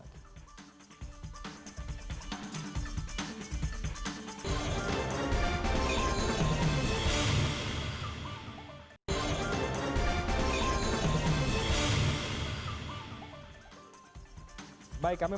baik kami masuk ke segment terakhir dialog